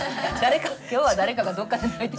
今日は誰かがどっかで泣いてる。